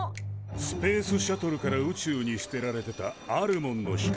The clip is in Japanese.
スペースシャトルから宇宙に捨てられてたあるモンの光なんだ。